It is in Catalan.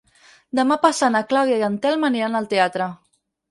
Demà passat na Clàudia i en Telm aniran al teatre.